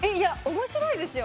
面白いですよ。